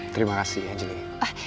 terima kasih angelie